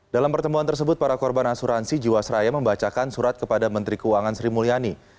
dalam pertemuan tersebut para korban asuransi jiwasraya membacakan surat kepada menteri keuangan sri mulyani